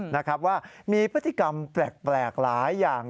นะครับว่ามีพฤติกรรมแปลกหลายอย่าง